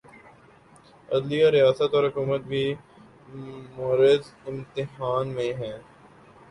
عدلیہ، ریاست اور حکومت بھی معرض امتحان میں ہیں۔